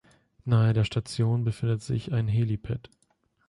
Nahe der Station befindet sich ein Helipad.